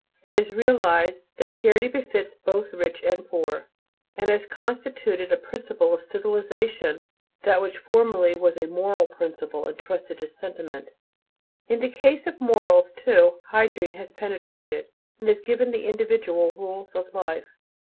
It has "realized" that charity benefits both rich and poor, and has constituted a principle of civilization that which formerly was a "moral principle" entrusted to sentiment. In the case of morals, too, hygiene has penetrated, and has given individual rules of life.